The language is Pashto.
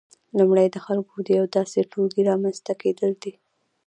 لومړی د خلکو د یو داسې ټولګي رامنځته کېدل دي